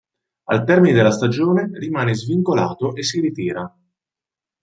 Al termine della stagione rimane svincolato e si ritira.